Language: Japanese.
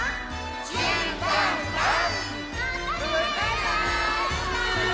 じゅんばんばん！